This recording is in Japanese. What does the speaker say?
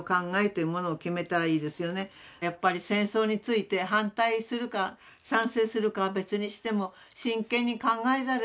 やっぱり戦争について反対するか賛成するかは別にしても真剣に考えざるをえないと思う。